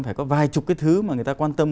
phải có vài chục cái thứ mà người ta quan tâm